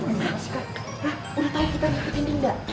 hah udah tau kita ngikutin dinda